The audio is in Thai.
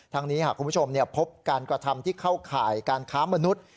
นี้หากคุณผู้ชมพบการกระทำที่เข้าข่ายการค้ามนุษย์